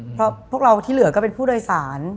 เพราะพวกเราที่เหลือก็เป็นผู้โดยสาร